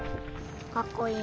かっこいい。